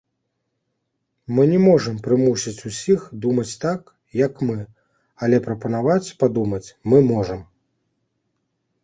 Мы не можам прымусіць усіх думаць так, як мы, але прапанаваць падумаць мы можам.